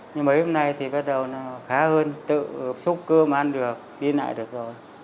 nhưng mấy hôm nay thì bắt đầu nó khá hơn tự xúc cơm ăn được đi lại được rồi